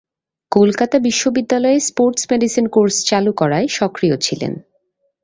কলকাতা বিশ্ববিদ্যালয়ে sports medicine course চালু করায় সক্রিয় ছিলেন।